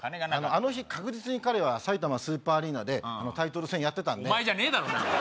あの日確実に彼はさいたまスーパーアリーナでタイトル戦やってたんでお前じゃねえだろ！